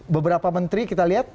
beberapa menteri kita lihat